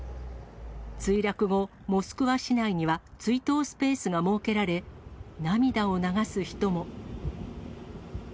墜落後、モスクワ市内には追悼スペースが設けられ、涙を流す人も。